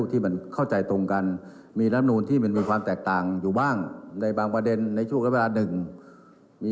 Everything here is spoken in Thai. ทำก็ได้ไม่ทำก็ได้